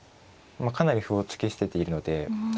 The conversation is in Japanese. かなり歩を突き捨てているので。